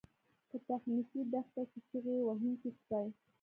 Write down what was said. په تخنیکي دښته کې چیغې وهونکي سپي